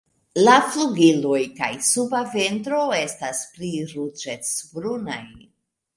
La flugiloj kaj suba ventro estas pli ruĝecbrunaj.